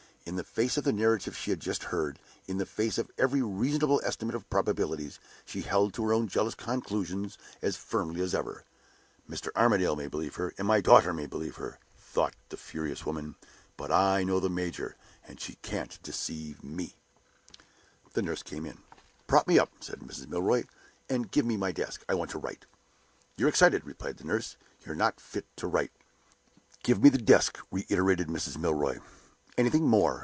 In the face of the narrative she had just heard, in the face of every reasonable estimate of probabilities, she held to her own jealous conclusions as firmly as ever. "Mr. Armadale may believe her, and my daughter may believe her," thought the furious woman. "But I know the major; and she can't deceive me!" The nurse came in. "Prop me up," said Mrs. Milroy. "And give me my desk. I want to write." "You're excited," replied the nurse. "You're not fit to write." "Give me the desk," reiterated Mrs. Milroy. "Anything more?"